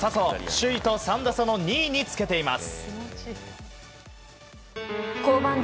首位と３打差の２位につけています。